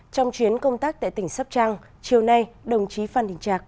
trong chuyến công tác tại tỉnh sắp trăng chiều nay đồng chí phan đình trạc